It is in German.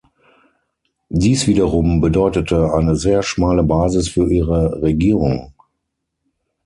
Dies wiederum bedeutete eine sehr schmale Basis für ihre Regierung.